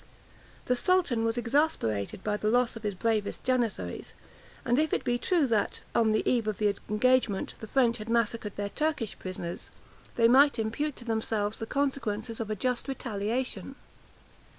The sultan was exasperated by the loss of his bravest Janizaries; and if it be true, that, on the eve of the engagement, the French had massacred their Turkish prisoners, 64 they might impute to themselves the consequences of a just retaliation.